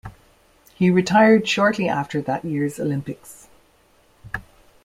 He retired shortly after that year's Olympics.